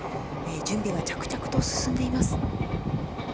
準備が着々と進んでいます。